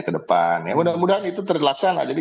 ke depan mudah mudahan itu terlaksana jadi